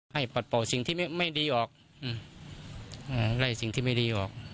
ให้ปัดเป่าสิ่งที่ไม่ไม่ดีออกอืมอ่าไล่สิ่งที่ไม่ดีออก